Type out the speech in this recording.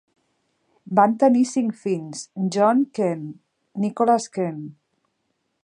Van tenir cinc fills, John, Knt., Nicholas, Knt.